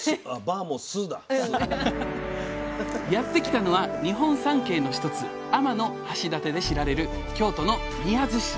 やって来たのは日本三景の一つ天橋立で知られる京都の宮津市。